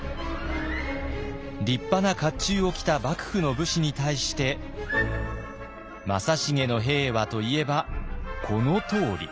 立派な甲冑を着た幕府の武士に対して正成の兵はといえばこのとおり。